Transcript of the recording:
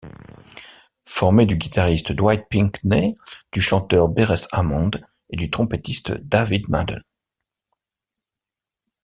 Formé du guitariste Dwight Pinkney, du chanteur Beres Hammond et du trompettiste David Madden.